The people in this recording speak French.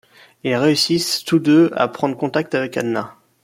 Ils réussissent tous deux à prendre contact avec Anna.